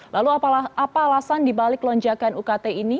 lalu apa alasan dibalik lonjakan ukt ini